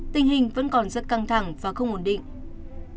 tình hình vẫn còn rất căng thẳng và không ổn định